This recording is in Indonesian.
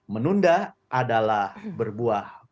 menunda adalah berbuah